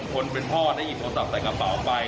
คนเป็นพ่อได้หยิบโทรศัพท์ใส่กระเป๋าไป